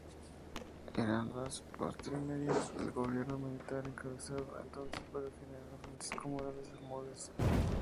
Eran las postrimerías del gobierno militar encabezado entonces por el general Francisco Morales Bermúdez.